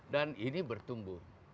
dan ini bertumbuh